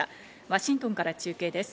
ワシントンから中継です。